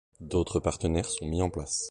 D'autres partenariats sont mis en place.